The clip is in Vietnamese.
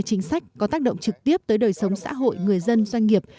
chính sách có tác động trực tiếp tới đời sống xã hội người dân doanh nghiệp